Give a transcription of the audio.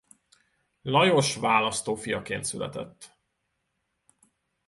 Lajos választó fiaként született.